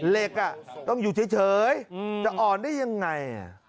เหล็กต้องอยู่เฉยจะอ่อนได้ยังไง